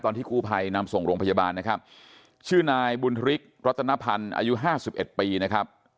ตอนที่ครูภัยนำส่งโรงพยาบาลนะครับชื่อนายบุญธริกษ์รัตนพันธ์อายุ๕๑ปีนะครับ